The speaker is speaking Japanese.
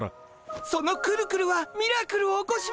そのくるくるはミラクルを起こします！